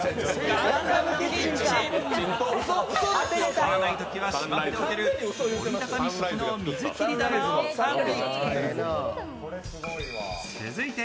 使わないときはしまっておける折り畳み式の水切り棚を完備。